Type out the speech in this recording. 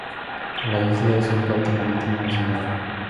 La isla es un parque marítimo nacional.